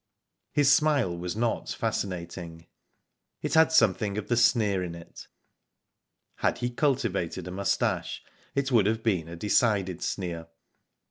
His smile was not fascinating. It had something of the sneer in it. Had he cultivated a moustache, it would have been a decided sneer.